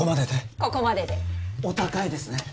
ここまででお高いですね